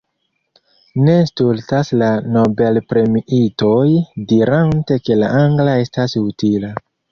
Ne stultas la nobelpremiitoj dirante ke la angla estas utila.